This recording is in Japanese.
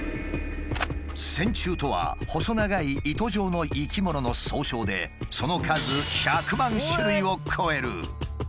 「線虫」とは細長い糸状の生き物の総称でその数１００万種類を超える。